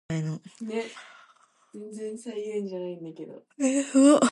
The grave site is a Michigan historical marker site.